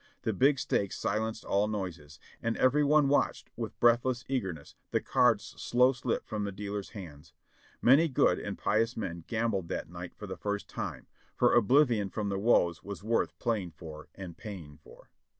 The big stakes silenced all noises, and every one watched with breathless eagerness the cards' slow slip from the dealer's hands. ]\Iany good and pious men gambled that night for the first time, for oblivion from the woes was worth playing for and paying for.